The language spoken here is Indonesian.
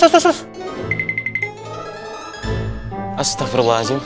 astagfirullahaladzim itu ada apa ya ustadz